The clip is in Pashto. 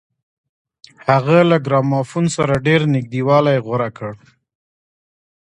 هغه له ګرامافون سره ډېر نږدېوالی غوره کړ.